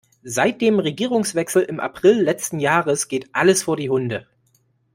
Seit dem Regierungswechsel im April letzten Jahres geht alles vor die Hunde.